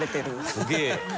すげえ。